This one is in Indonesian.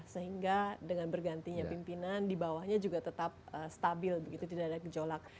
sehingga dengan bergantinya pimpinan di bawahnya juga tetap stabil begitu tidak ada gejolak